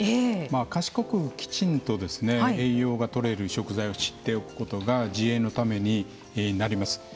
賢くきちんと栄養がとれる食材を知っておくことが自衛のためになります。